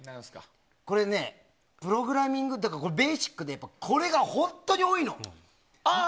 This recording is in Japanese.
これね、プログラミングってベーシックでこれが本当に多いの！